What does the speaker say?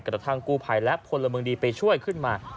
กระทั่งกู้ภัยและพลเมืองดีไปช่วยขึ้นมา